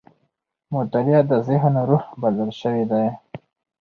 مطالعه د ذهن روح بلل سوې ده.